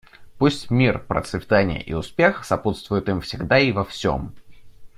Пусть мир, процветание и успех сопутствуют им всегда и во всем.